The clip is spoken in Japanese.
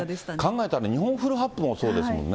考えたら日本フルハップもそうですもんね。